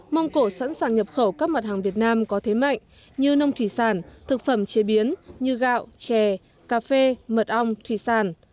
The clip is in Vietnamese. mông cổ sẵn sàng nhập khẩu các mặt hàng việt nam có thế mạnh như nông thủy sản thực phẩm chế biến như gạo chè cà phê mật ong thủy sản